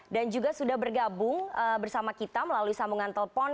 dan juga sudah bergabung bersama kita melalui sambungan telpon